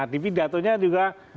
di pidatonya juga